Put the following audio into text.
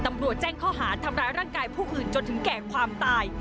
ตำรวจแจ้งข้อหาทำร้ายร่างกายผู้อื่นจนถึงแก่ความตาย